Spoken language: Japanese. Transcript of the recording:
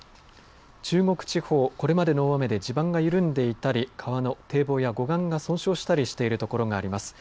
中国地方、これまでの大雨で、地盤が緩んでいたり、堤防や護岸が損傷していたりする所があります。